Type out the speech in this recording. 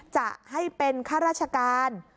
จะให้เป็นข้าราชการ